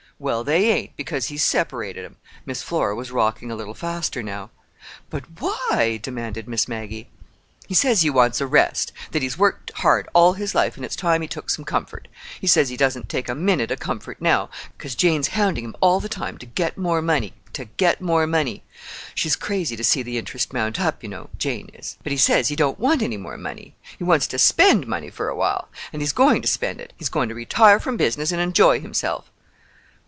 "Well, they ain't—because he's separated 'em." Miss Flora was rocking a little faster now. "But why?" demanded Miss Maggie. "He says he wants a rest. That he's worked hard all his life, and it's time he took some comfort. He says he doesn't take a minute of comfort now 'cause Jane's hounding him all the time to get more money, to get more money. She's crazy to see the interest mount up, you know—Jane is. But he says he don't want any more money. He wants to spend money for a while. And he's going to spend it. He's going to retire from business and enjoy himself."